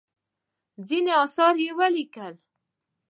ځینې اثار یې ولیکل.